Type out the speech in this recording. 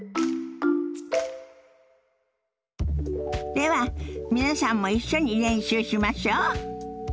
では皆さんも一緒に練習しましょ。